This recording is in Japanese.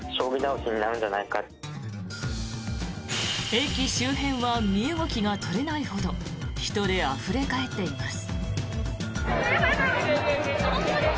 駅周辺は身動きが取れないほど人であふれ返っています。